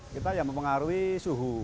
kita yang mempengaruhi suhu